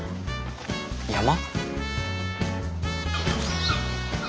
山？